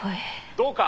「どうか」